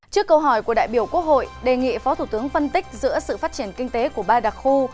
trước câu hỏi của đại biểu quốc hội đề nghị phó thủ tướng phân tích giữa sự phát triển kinh tế của ba đặc khu